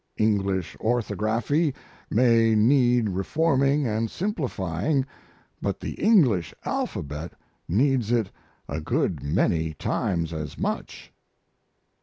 English orthography may need reforming and simplifying, but the English alphabet needs it a good many times as much."